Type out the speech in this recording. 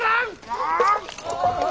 ああ！